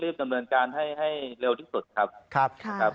เลยเริ่มกำลังการให้เร็วที่สุดครับ